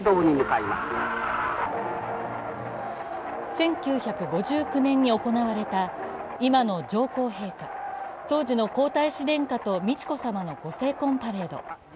１９５９年に行われた今の上皇陛下、当時の皇太子殿下と美智子さまの御成婚パレード。